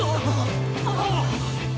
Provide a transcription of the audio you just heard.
あっ！